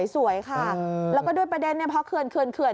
สวยค่ะแล้วก็ด้วยประเด็นเนี่ยเพราะเขื่อน